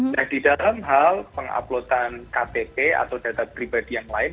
nah di dalam hal penguploadan ktp atau data pribadi yang lain